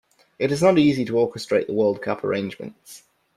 It is not easy to orchestrate the world cup arrangements.